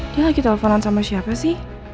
dia lagi teleponan sama siapa sih